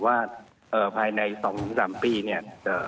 ว่าภายใน๒๓ปีเนี่ย